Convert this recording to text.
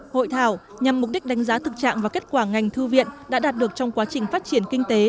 hội thảo nhằm mục đích đánh giá thực trạng và kết quả ngành thư viện đã đạt được trong quá trình phát triển kinh tế